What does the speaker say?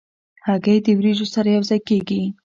هګۍ د وریجو سره یو ځای کېږي.